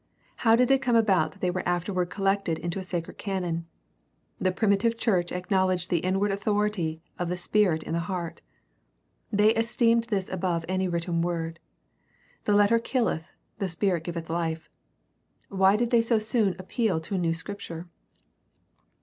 How did it come about that they were afterward collected into a sacred canon? The primitive church acknowledged the inward authority of the spirit in the heart. They esteemed this above any written word. "The letter killeth, the spirit giveth life." Why did they so soon appeal to a new Scripture